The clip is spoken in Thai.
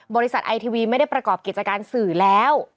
ไอทีวีไม่ได้ประกอบกิจการสื่อแล้ว